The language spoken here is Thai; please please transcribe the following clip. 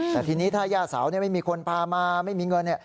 แต่ทีนี้ถ้าย่าเสาไม่มีคนพามาไม่มีเงิน